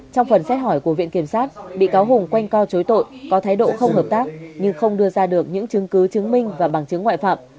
trong phần xét hỏi của viện kiểm sát bị cáo hùng quanh co chối tội có thái độ không hợp tác nhưng không đưa ra được những chứng cứ chứng minh và bằng chứng ngoại phạm